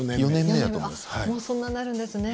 もうそんなになるんですね。